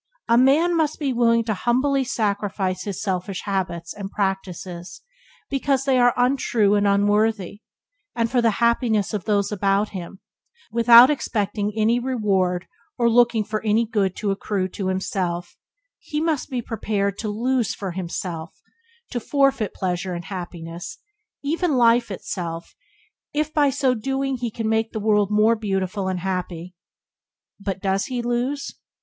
A man must be willing to humbly sacrifice his selfish habits and practices because they are untrue and unworthy, and for the happiness of those about him, without expecting any reward or looking for any good to accrue to himself; nay, he must be prepared to lose for himself, to forfeit pleasure and happiness, even life itself, if by so doing he can make the world more beautiful and happy. But does he lose?